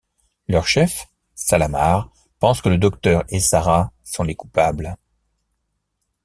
Leur chef, Salamar pense que le Docteur et Sarah sont les coupables.